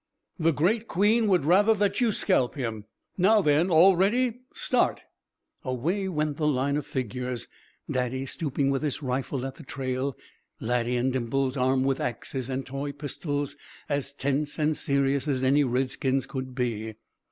"The great Queen would rather that you scalp him. Now, then! All ready! Start!" Away went the line of figures, Daddy stooping with his rifle at the trail, Laddie and Dimples armed with axes and toy pistols, as tense and serious as any Redskins could be.